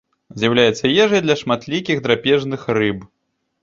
З'яўляецца ежай для шматлікіх драпежных рыб.